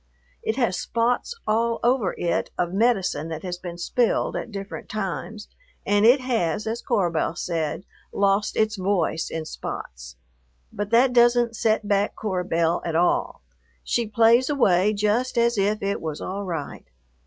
It has spots all over it of medicine that has been spilled at different times, and it has, as Cora Belle said, lost its voice in spots; but that doesn't set back Cora Belle at all, she plays away just as if it was all right.